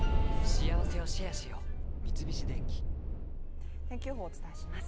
三菱電機天気予報をお伝えします。